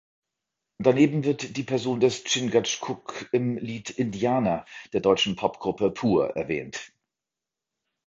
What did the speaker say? Daneben wird die Person des Chingachgook im Lied "Indianer" der deutschen Popgruppe Pur erwähnt.